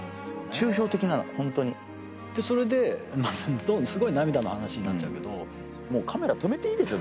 抽象的なのホントにそれですごい涙の話になっちゃうけどもうカメラ止めていいですよ